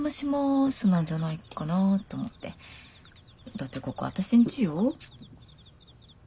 だってここ私んちよ。